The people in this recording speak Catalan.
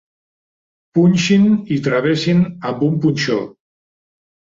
Punxin i travessin amb un punxó.